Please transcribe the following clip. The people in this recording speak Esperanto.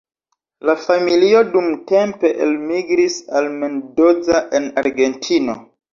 La familio dumtempe elmigris al Mendoza en Argentino.